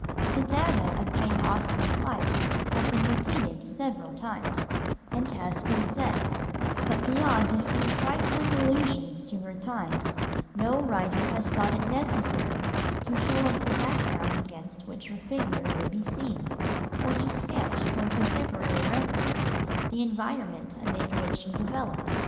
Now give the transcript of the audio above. The data of Jane Austen's life have been repeated several times, as has been said, but beyond a few trifling allusions to her times no writer has thought it necessary to show up the background against which her figure may be seen, or to sketch from contemporary records the environment amid which she developed.